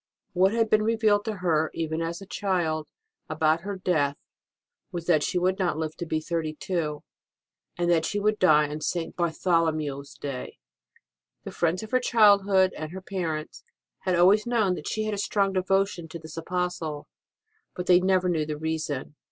What had been revealed to her, even as a child, about her death was that she would not live to be thirty two, and that she would die on St. Bartholomew s Day. The friends of her childhood, and her parents, had always known that she had a strong devotion to this Apostle, but they never knew the reason.